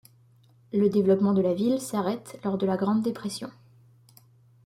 Le développement de la ville s'arrête lors de la Grande Dépression.